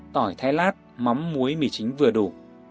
tỏi thái lát mắm muối mì chính vừa đủ